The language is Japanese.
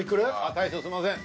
大将すいません。